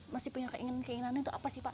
masih punya keinginan keinginannya itu apa sih pak